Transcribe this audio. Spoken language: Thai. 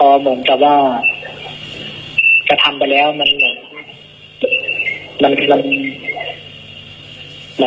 เพราะผมจะว่ากระทำไปแล้วมันหลุดไปแล้วครับ